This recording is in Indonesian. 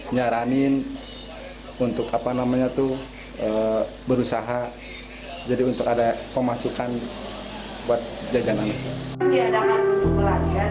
nyaranin untuk berusaha jadi untuk ada pemasukan buat jajanan